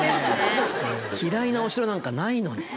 嫌いなお城なんかないのに。